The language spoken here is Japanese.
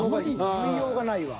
言いようがないわ。